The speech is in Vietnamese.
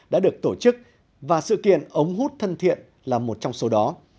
đã được tổ chức và sự kiện ống hút thân thiện là một trong số đó